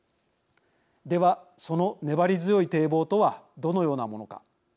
ではその粘り強い堤防とはどのようなものか。